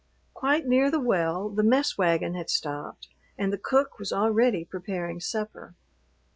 Quite near the well the mess wagon had stopped and the cook was already preparing supper.